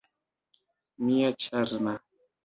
Mia ĉarma!